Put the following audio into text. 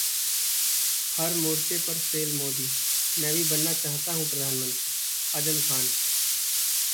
हर मोर्चे पर फेल मोदी, मैं भी बनना चाहता हूं प्रधानमंत्री: आजम खान